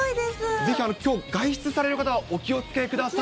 ぜひきょう、外出される方はお気をつけください。